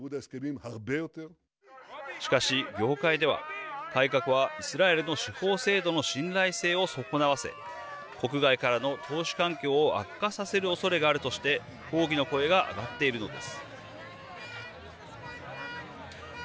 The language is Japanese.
しかし、業界では改革はイスラエルの司法制度の信頼性を損なわせ国外からの投資環境を悪化させるおそれがあるとして抗議の声が上がっているのです。